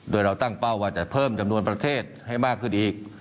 โดยเราตั้งเป้าว่าจะเพิ่มจำนวนประเทศให้มากขึ้นอีก